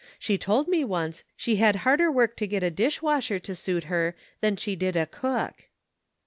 She told me once she had harder work to get a dish washer to suit her than she did a cook."